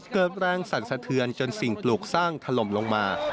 เกิดแรงสั่นสะเทือนจนสิ่งปลูกสร้างถล่มลงมา